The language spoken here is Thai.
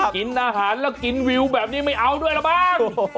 กินอาหารกินวิวแบบนี้ไม่เอาด้วยหรือบ้าง